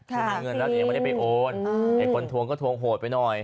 คือเงินรัฐเองไม่ได้ไปโอนไอ้คนทวงก็ทวงโหดไปหน่อย